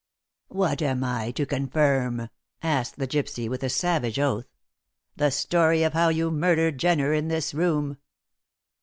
"What am I to confirm?" asked the gypsy, with a savage oath. "The story of how you murdered Jenner in this room!"